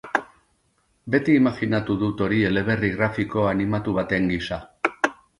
Beti imajinatu dut hori eleberri grafiko animatu baten gisa.